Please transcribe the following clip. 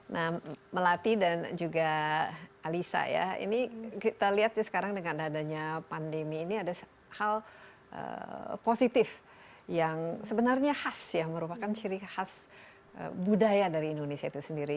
nah melati dan juga alisa ya ini kita lihat ya sekarang dengan adanya pandemi ini ada hal positif yang sebenarnya khas ya merupakan ciri khas budaya dari indonesia itu sendiri